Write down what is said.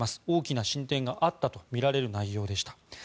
大きな進展があったとみられる内容でした。